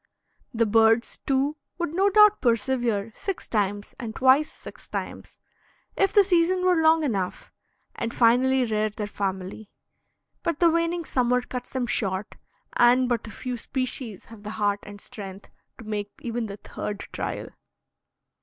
The birds, too, would no doubt persevere six times and twice six times, if the season were long enough, and finally rear their family, but the waning summer cuts them short, and but a few species have the heart and strength to make even the third trial.